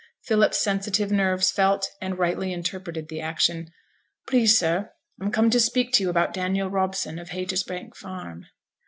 Philip's sensitive nerves felt and rightly interpreted the action. 'Please, sir, I'm come to speak to you about Daniel Robson, of Haytersbank Farm.'